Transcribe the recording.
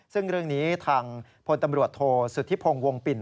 ซึ่งเรื่องนี้ทางพลตำรวจโทษสุธิพงศ์วงปิ่น